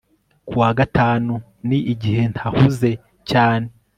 Ku wa gatanu ni igihe ntahuze cyane